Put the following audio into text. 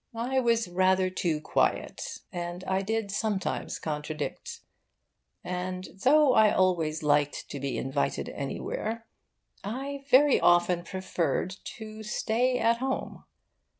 I was rather too quiet, and I did sometimes contradict. And, though I always liked to be invited anywhere, I very often preferred to stay at home.